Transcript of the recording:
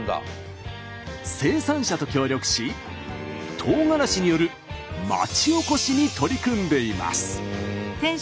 生産者と協力しとうがらしによる町おこしに取り組んでいます。